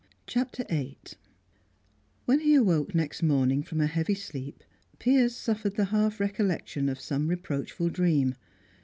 CHAPTER VIII When he awoke next morning from a heavy sleep, Piers suffered the half recollection of some reproachful dream.